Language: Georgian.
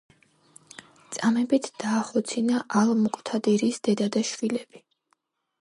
წამებით დაახოცინა ალ-მუკთადირის დედა და შვილები.